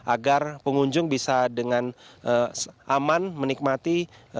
agar pengunjung bisa dengan aman menikmati